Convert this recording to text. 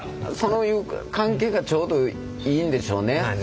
そういう関係がちょうどいいんでしょうね。